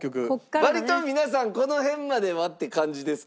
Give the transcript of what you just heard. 割と皆さんこの辺まではって感じですか？